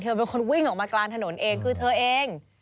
เป็นคนวิ่งออกมากลางถนนเองคือเธอเอง